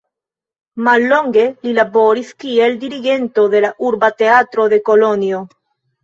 Mallonge li laboris kiel dirigento de la urba teatro de Kolonjo.